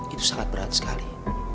itu sangat berat sekali